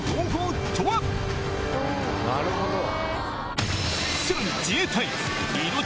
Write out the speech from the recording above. なるほど！